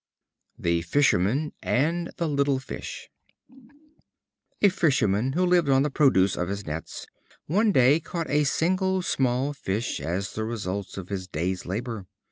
The Fisherman and the Little Fish A Fisherman who lived on the produce of his nets, one day caught a single small fish as the result of his day's labor.